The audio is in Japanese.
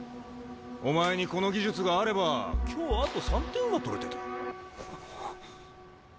お前にこの技術があれば今日あと３点は取れてた。